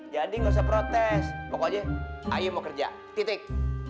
jadi gak usah protes pokoknya ayo mau kerja titik